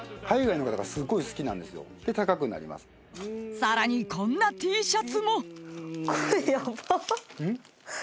［さらにこんなＴシャツも］